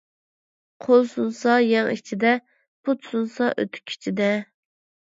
قول سۇنسا يەڭ ئىچىدە، پۇت سۇنسا ئۆتۇك ئىچىدە.